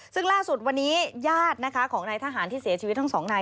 ซึ่งล่าสุดวันนี้ญาตินะคะของนายทหารที่เสียชีวิตทั้งสองนาย